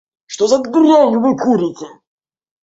Что за дрянь Вы курите.